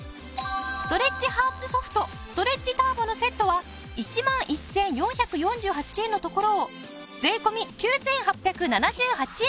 ストレッチハーツソフトストレッチターボのセットは１万１４４８円のところを税込９８７８円。